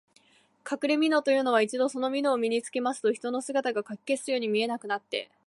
かくれみのというのは、一度そのみのを身につけますと、人の姿がかき消すように見えなくなって、